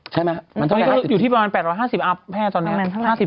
ใช่ไหมมันต้องอยู่ที่ประมาณ๘๕๐อัพแพทย์ตอนนั้น